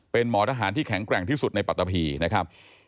เป็นหมอทหารที่แข็งแกร่งที่สุดในปัตตาพีนะครับ